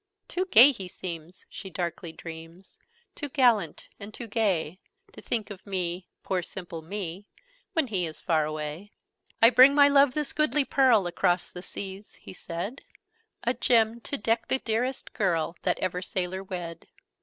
'Too gay he seems,' she darkly dreams, 'Too gallant and too gay To think of me poor simple me When he is far away!' 'I bring my Love this goodly pearl Across the seas,' he said: 'A gem to deck the dearest girl That ever sailor wed!'